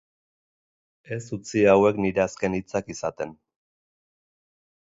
Ez utzi hauek nire azken hitzak izaten.